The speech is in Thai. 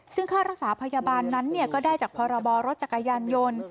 ซึ่งค่ารักษาพยาบาลนั้นก็ได้จากพรบรถจักรยานยนต์